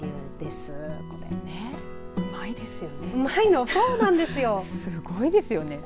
すごいですよね。